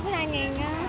đưa có hai ngàn á